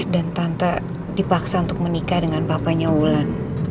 dan tante dipaksa untuk menikah dengan papanya wulan